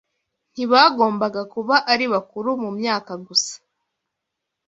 Ntibagombaga kuba ari bakuru mu myaka gusa,